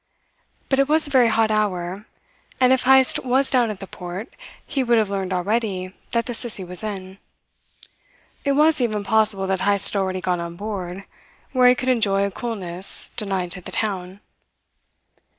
But it was a very hot hour, and if Heyst was down at the port he would have learned already that the Sissie was in. It was even possible that Heyst had already gone on board, where he could enjoy a coolness denied to the town.